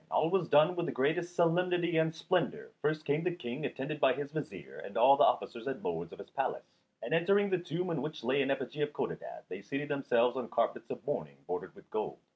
All was done with the greatest solemnity and splendour. First came the King attended by his vizier and all the officers and lords of his palace; and entering the tomb, in which lay an effigy of Codadad, they seated themselves on carpets of mourning bordered with gold.